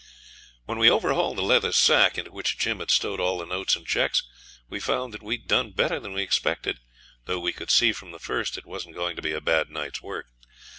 When we overhauled the leather sack into which Jim had stowed all the notes and cheques we found that we'd done better than we expected, though we could see from the first it wasn't going to be a bad night's work.